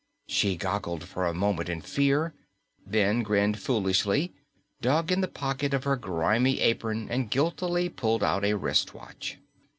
She goggled for a moment in fear, then grinned foolishly, dug in the pocket of her grimy apron and guiltily pulled out a wristwatch.